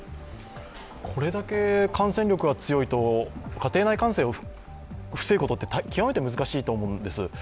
これだけ感染力が強いと家庭内感染を防ぐことって極めて難しいと思うんです。